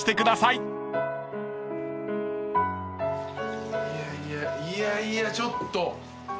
いやいやいやいやちょっと。